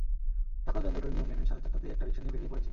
ঢাকার যানজটের নিয়ম মেনে সাড়ে চারটাতেই একটা রিকশা নিয়ে বেরিয়ে পড়েছি।